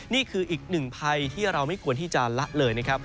นี่คืออีกหนึ่งภัยที่เราไม่ควรที่จะละเลยนะครับ